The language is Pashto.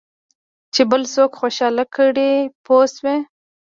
چې بل څوک خوشاله کړې پوه شوې!.